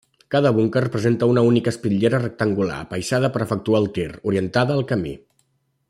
Cada búnquer presenta una única espitllera rectangular apaïsada per efectuar el tir, orientada al camí.